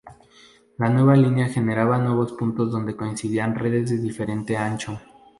La nueva línea generaba nuevos puntos donde coincidían redes de diferente ancho.